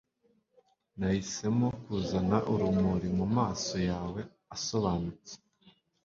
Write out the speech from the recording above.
nahisemo kuzana urumuri mumaso yawe asobanutse